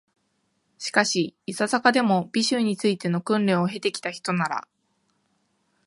しかし、いささかでも、美醜に就いての訓練を経て来たひとなら、